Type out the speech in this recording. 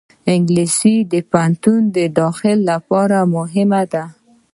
انګلیسي د پوهنتون داخلې لپاره مهمه ده